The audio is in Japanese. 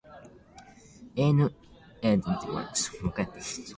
メーヌ＝エ＝ロワール県の県都はアンジェである